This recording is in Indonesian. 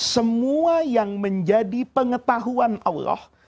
semua yang menjadi pengetahuan allah